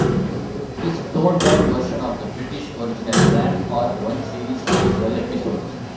This toned-down version of the British original ran for one series of twelve episodes.